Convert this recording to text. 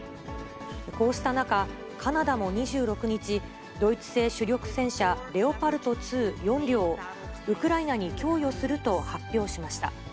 こうした中、カナダも２６日、ドイツ製主力戦車、レオパルト２、４両を、ウクライナに供与すると発表しました。